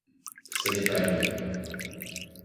Ce n'est pas lui!